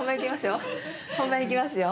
本番いきますよ